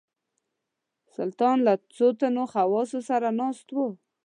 سلطان له څو تنو خواصو سره ناست وو.